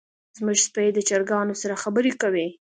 زمونږ سپی د چرګانو سره خبرې کوي.